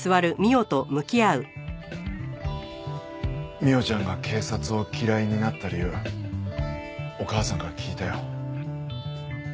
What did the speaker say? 未央ちゃんが警察を嫌いになった理由お母さんから聞いたよ。